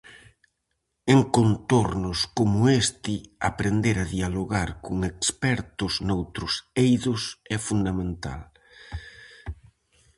En contornos como este, aprender a dialogar con expertos noutros eidos é fundamental.